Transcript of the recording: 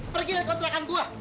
pergi dan kontrakan gue